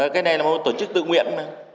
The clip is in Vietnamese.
cái này là một tổ chức tự nguyện